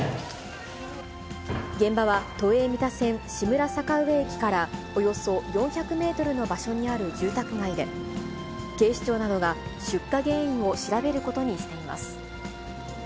現場は都営三田線志村坂上駅からおよそ４００メートルの場所にある住宅街で、警視庁などが出火原因を調べることにしています。